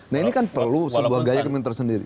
nah ini kan perlu sebuah gaya kementerian tersendiri